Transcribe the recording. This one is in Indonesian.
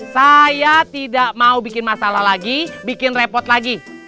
saya tidak mau bikin masalah lagi bikin repot lagi